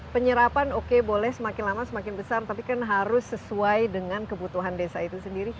penyerapan oke boleh semakin lama semakin besar tapi kan harus sesuai dengan kebutuhan desa itu sendiri